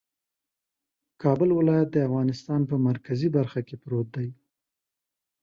کابل ولایت د افغانستان په مرکزي برخه کې پروت دی